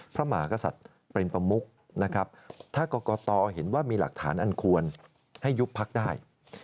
พระมหากษัตริย์เป็นประมุกนะครับถ้ากรกตเห็นว่ามีหลักฐานอันควรให้ยุบพักได้